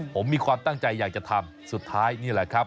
ผมมีความตั้งใจอยากจะทำสุดท้ายนี่แหละครับ